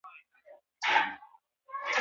خزانه دار د پیسو ساتونکی دی